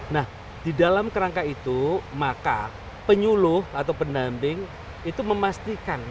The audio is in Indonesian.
nah di dalam kerangka itu maka penyuluh atau pendamping itu memastikan